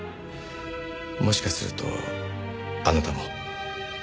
もしかするとあなたも。